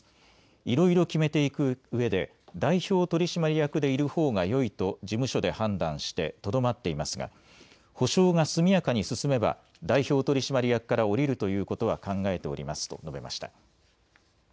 いろいろ決めていくうえで、代表取締役でいるほうがよいと事務所で判断してとどまっていますが、補償が速やかに進めば代表取締役から降りるということは考えておりますと述べました。